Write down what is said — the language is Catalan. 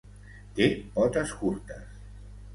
Té potes curtes.